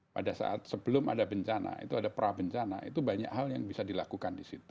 pada saat sebelum ada bencana itu ada prabencana itu banyak hal yang bisa dilakukan di situ